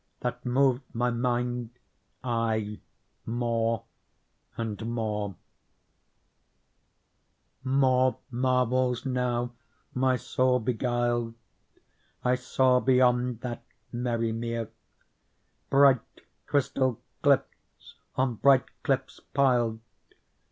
That moved my mind aye more and more. Digitized by Google PEARL More marvels now my soul beguiled ; I saw, beyond that merry mere. Bright crystal cliffs on bright cliffs piled.